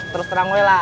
terus terang terang lah